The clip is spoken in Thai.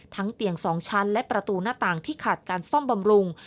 เตียง๒ชั้นและประตูหน้าต่างที่ขาดการซ่อมบำรุง